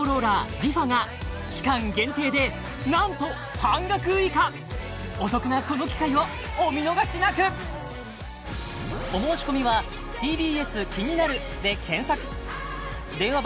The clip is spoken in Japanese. ＲｅＦａが期間限定でなんと半額以下お得なこの機会をお見逃しなく俺の「ＣｏｏｋＤｏ」！